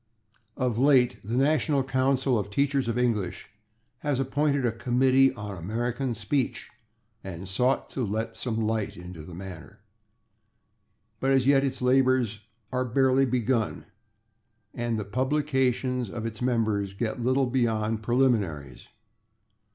Of late the National Council of Teachers of English has appointed a Committee on American Speech and sought to let some light into the matter, but as yet its labors are barely begun and the publications of its members get little beyond preliminaries.